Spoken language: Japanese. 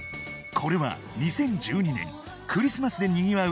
これは２０１２年クリスマスでにぎわう